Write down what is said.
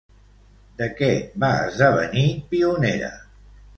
De què va esdevenir pionera?